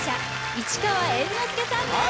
市川猿之助さんです